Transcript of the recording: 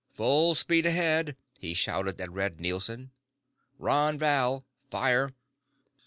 "Full speed ahead!" he shouted at Red Nielson. "Ron Val. Fire!"